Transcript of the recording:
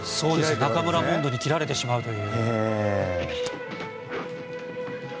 中村主水に切られてしまうという。